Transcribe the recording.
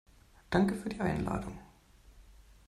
Danke für die Einladung.